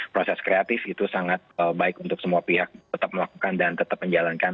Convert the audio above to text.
proses kreatif itu sangat baik untuk semua pihak tetap melakukan dan tetap menjalankan